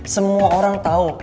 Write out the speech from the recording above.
semua orang tau